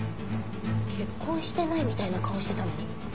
結婚してないみたいな顔してたのに。